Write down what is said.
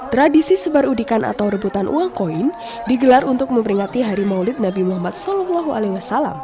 tradisi sebar udikan atau rebutan uang koin digelar untuk memperingati hari maulid nabi muhammad saw